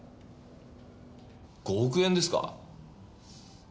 ５億円ですか？